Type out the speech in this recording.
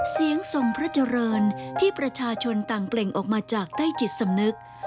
เสียงทรงพระเจริญที่ประชาชนต่างเปล่งออกมาจากใต้จิตสำนึก